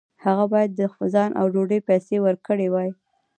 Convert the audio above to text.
هغه باید د ځای او ډوډۍ پیسې ورکړې وای.